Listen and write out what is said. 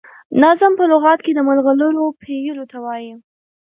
نظم په لغت کي د ملغرو پېيلو ته وايي.